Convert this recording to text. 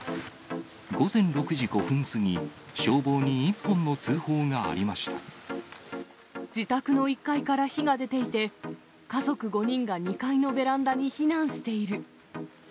午前６時５分過ぎ、自宅の１階から火が出ていて、家族５人が２階のベランダに避難している。